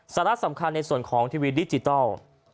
สาระสำคัญในส่วนของทีวีดิจิทัล